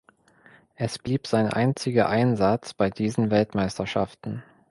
Es blieb sein einziger Einsatz bei diesen Weltmeisterschaften.